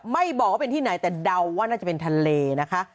ไม่บอกว่าเป็นที่ไหนแต่เดาว่าน่าจะเป็นทะเลนะคะ